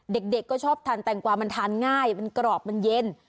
เด็กก็ชอบทานแตงกวามันทานง่ายมันกรอบมันเย็น